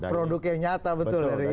produk yang nyata betul dari itu ya